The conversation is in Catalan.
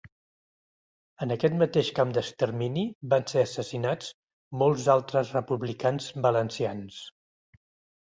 En aquest mateix camp d'extermini van ser assassinats molts altres republicans valencians.